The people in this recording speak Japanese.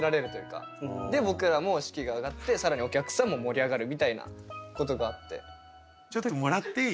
で僕らも士気が上がって更にお客さんも盛り上がるみたいなことがあって。